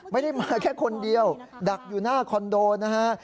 ไม่ได้มาแค่คนเดียวดักอยู่หน้าคอนโดนะฮะ